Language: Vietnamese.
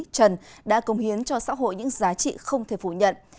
trần đã công hiến cho xã hội những giá trị không thể phủ nhận